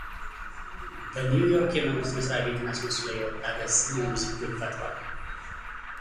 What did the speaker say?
በኒው ዮርክ የመንግሥት መሥሪያ ቤትን አስመስሎ የወጣ ገጽም ውዝግብ ፈጥሯል።